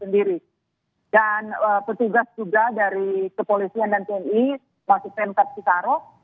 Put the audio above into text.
dan petugas juga dari kepolisian dan pmi masuk pemkat sitaro